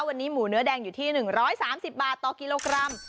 วันนี้หมูเนื้อแดงอยู่ที่๑๓๐บาทต่อกิโลกรัม